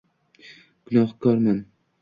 Gunohkorman